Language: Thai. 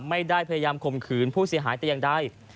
ไม่ได้พยายามข่มขืนผู้เสียหายแต่อย่างใด